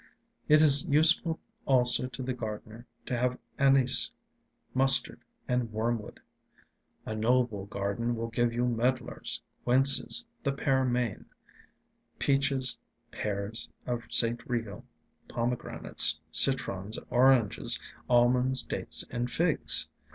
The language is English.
It is useful also to the gardener to have anise, mustard, and wormwood.... A noble garden will give you medlars, quinces, the pear main, peaches, pears of St. Regle, pomegranates, citrons, oranges, almonds, dates, and figs."